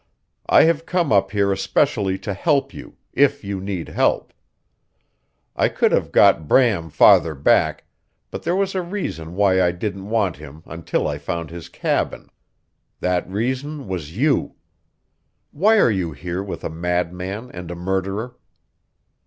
"I have come up here especially to help you, if you need help. I could have got Bram farther back, but there was a reason why I didn't want him until I found his cabin. That reason was you. Why are you here with a madman and a murderer?"